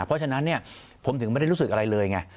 เพราะฉะนั้นเนี่ยผมถึงไม่ได้รู้สึกอะไรเลยไง